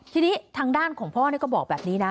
ทีนี้ทางด้านของพ่อก็บอกแบบนี้นะ